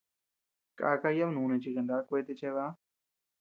Kàka yàba núni chi kaná kuete cheʼebä.